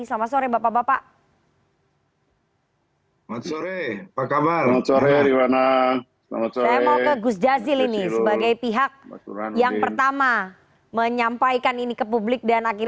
selamat sore bapak bapak